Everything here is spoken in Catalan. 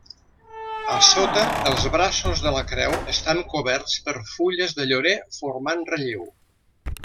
A sota, els braços de la creu estan coberts per fulles de llorer formant relleu.